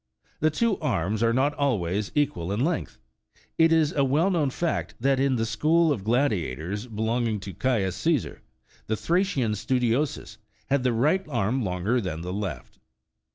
The two arms are not always equal in length : it is a well known fact, that, in the school of gladiators belong ing to Caius Caesar,35 the Thracian Studiosus had the right arm longer than the left.